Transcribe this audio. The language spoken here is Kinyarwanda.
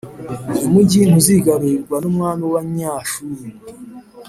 uyu mugi ntuzigarurirwa n’umwami w’Abanyashuru.